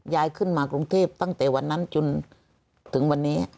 ย้ายขึ้นมากรุงเทพตั้งแต่วันนั้นจนถึงวันนี้